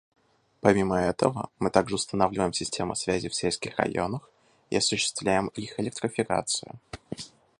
Помимо этого, мы также устанавливаем системы связи в сельских районах и осуществляем их электрификацию.